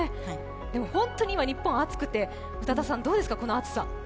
でも本当に今、日本は暑くて宇多田さん、どうですか、この暑さ。